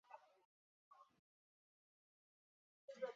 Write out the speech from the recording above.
这种效应称为重力透镜。